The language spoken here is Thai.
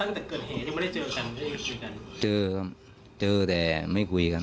ตั้งแต่เกิดแห่งยังไม่ได้เจอกัน